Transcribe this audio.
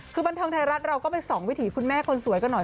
คือบันเทิงไทยรัฐเราก็ไปส่องวิถีคุณแม่คนสวยกันหน่อย